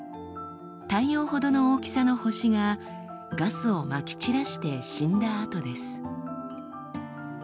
太陽ほどの大きさの星がガスをまき散らして死んだ跡です。